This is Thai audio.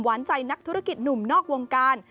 ใจนักธุรกิจหนุ่มนอกวงการ